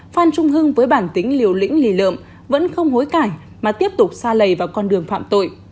phan trung hưng với bản tính liều lĩnh lì lợm vẫn không hối cải mà tiếp tục xa lầy vào con đường phạm tội